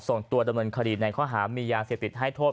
ส่งตัวดำเนินคดีในข้อหามียาเสพติดให้โทษ